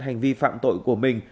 hành vi phạm tội của mình